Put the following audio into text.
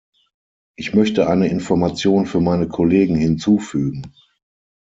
Ich möchte eine Information für meine Kollegen hinzufügen.